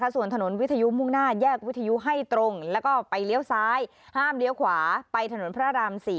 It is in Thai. ส่วนถนนวิทยุมุ่งหน้าแยกวิทยุให้ตรงแล้วก็ไปเลี้ยวซ้ายห้ามเลี้ยวขวาไปถนนพระราม๔